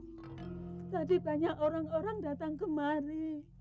tadi banyak orang orang datang kemari